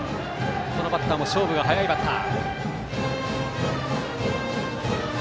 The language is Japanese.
このバッターも勝負が早いバッター。